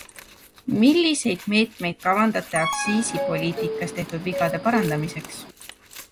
Milliseid meetmeid kavandate aktsiisipoliitikas tehtud vigade parandamiseks?